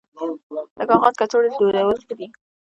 د کاغذ کڅوړې دودول ښه دي